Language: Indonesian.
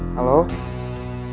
kahut deh ya